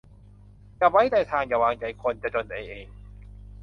อย่าไว้ใจทาง อย่าวางใจคน จะจนใจเอง